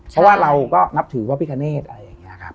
เพราะว่าเราก็นับถือพระพิคเนตอะไรอย่างนี้ครับ